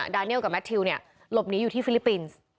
เนียลกับแมททิวเนี่ยหลบหนีอยู่ที่ฟิลิปปินส์